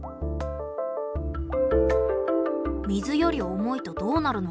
水より重いとどうなるのか？